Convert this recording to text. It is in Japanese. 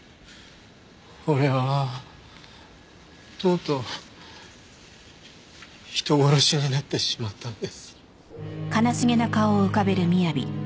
俺はとうとう人殺しになってしまったんです。